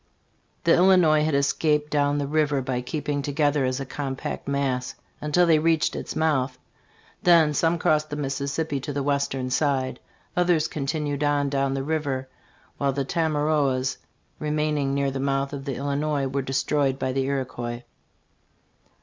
"* The Illinois had escaped down the river by keeping together as a compact mass until they reached its mouth. Then some crossed the Mississippi to the western side ; others continued on down the river, while the Tamaroas, remaining near the mouth of the Illi nois, were destroyed by the Iroquois.